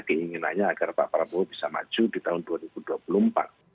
keinginannya agar pak prabowo bisa maju di tahun dua ribu dua puluh empat